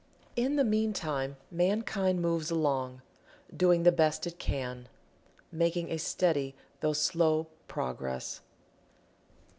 In the meantime Mankind moves along, doing the best it can, making a steady though slow progress.